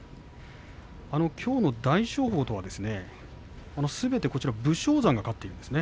きょうの大翔鵬とはすべて武将山が勝っていたんですね